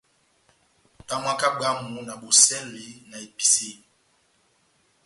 Tamwaka bwámu na bosɛli na episiyo.